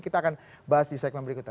kita akan bahas di segmen berikutnya